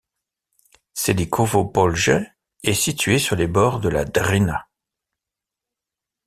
Čelikovo Polje est situé sur les bords de la Drina.